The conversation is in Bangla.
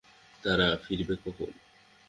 তারা ফিরবে কখন?